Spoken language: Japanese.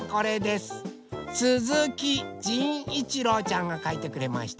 すずきじんいちろうちゃんがかいてくれました。